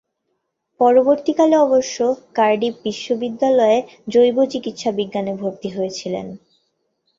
পরবর্তীকালে অবশ্য কার্ডিফ বিশ্ববিদ্যালয়ে জৈব চিকিৎসা বিজ্ঞানে ভর্তি হয়েছিলেন।